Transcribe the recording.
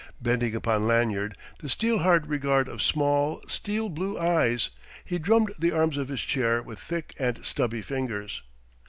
Bending upon Lanyard the steel hard regard of small, steel blue eyes, he drummed the arms of his chair with thick and stubby fingers.